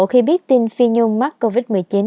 khi biết tin phi nhung mắc covid một mươi chín